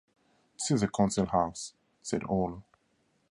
“This is the Council House,” said Orla.